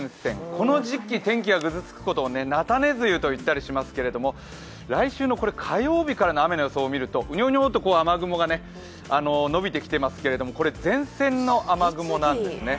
この時期、天気がぐずつくことを菜種梅雨といったりしますけど来週の火曜日からの雨の予想を見ると、うにょうにょっと雨雲がのびてきていますが、これ、前線の雨雲なんですね。